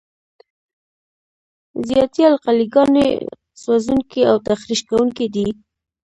زیاتې القلي ګانې سوځونکي او تخریش کوونکي دي.